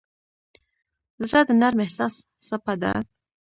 زړه د نرم احساس څپه ده.